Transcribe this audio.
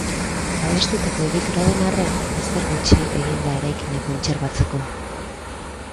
Babestutako egitura den arren, ezer gutxi egin da eraikina kontserbatzeko.